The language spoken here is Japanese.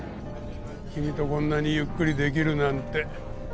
君とこんなにゆっくり出来るなんて。